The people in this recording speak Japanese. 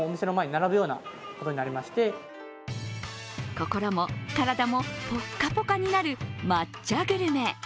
心も体もぽっかぽかになる抹茶グルメ。